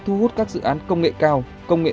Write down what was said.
thu hút các dự án công nghệ cao công nghệ